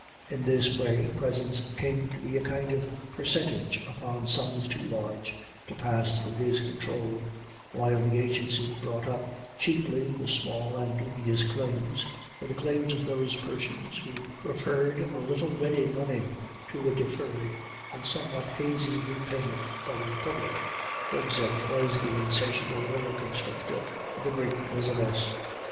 In this way presents came to be a kind of percentage upon sums too large to pass through his control, while the agency bought up cheaply the small and dubious claims, or the claims of those persons who preferred a little ready money to a deferred and somewhat hazy repayment by the Republic. Gobseck was the insatiable boa constrictor of the great business.